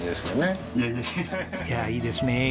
いやいいですね。